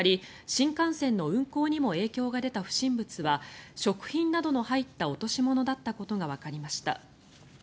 新幹線の運行にも影響が出た不審物は食品などの入った落とし物だったことがわかりました。